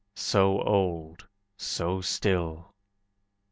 So old, so still!